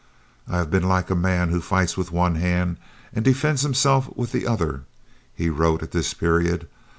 "I have been like a man who fights with one hand and defends himself with the other," he wrote at this period.